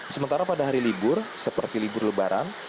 sementara pada hari libur seperti libur lebaran